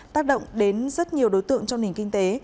tác động đến rất nhiều đối tượng trong nền kinh tế